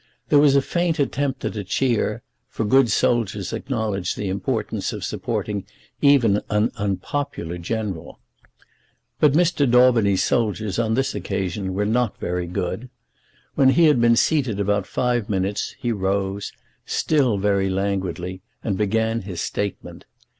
There was a faint attempt at a cheer, for good soldiers acknowledge the importance of supporting even an unpopular general. But Mr. Daubeny's soldiers on this occasion were not very good. When he had been seated about five minutes he rose, still very languidly, and began his statement.